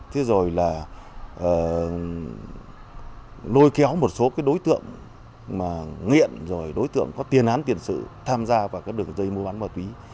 thế rồi là lôi kéo một số đối tượng nghiện đối tượng có tiền án tiền sự tham gia vào đường dây mua bán ma túy